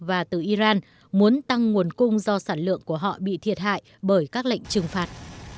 và từ iran muốn tăng nguồn cung do sản lượng của họ bị thiệt hại bởi các lệnh trừng phạt